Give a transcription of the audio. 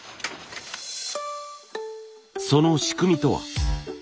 その仕組みとは。